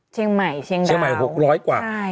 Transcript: เชียงใหม่เชียงใหม่๖๐๐กว่า